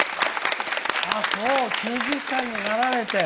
ああそう、９０歳になられて。